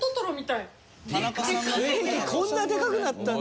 こんなでかくなったんだ？